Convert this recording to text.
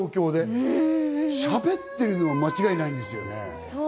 しゃべってるのは間違いないんですよね。